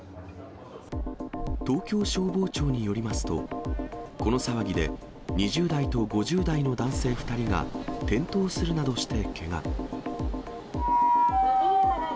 東京消防庁によりますと、この騒ぎで、２０代と５０代の男性２人が、転倒するなどしてけが。